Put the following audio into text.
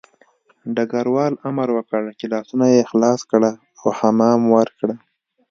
ډګروال امر وکړ چې لاسونه یې خلاص کړه او حمام ورکړه